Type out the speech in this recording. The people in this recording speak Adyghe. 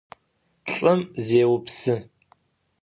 Lh'ım zêupsı.